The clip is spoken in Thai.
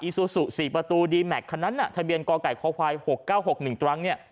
อีซูซุสี่ประตูดีแม็กซ์คนนั้นน่ะทะเบียนกไก่คควายหกเก้าหกหนึ่งตรังเนี่ย